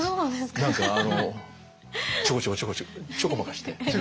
何かあのちょこちょこちょこまかして。